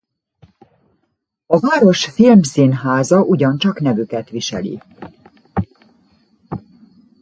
A város filmszínháza ugyancsak nevüket viseli.